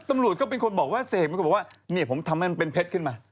ตำรวจก็เป็นคนบอกว่าเสพมันก็บอกว่าเนี่ยผมทำให้มันเป็นเพชรขึ้นมา